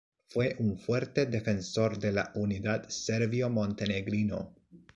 Fue un fuerte defensor de la unidad serbio-montenegrino.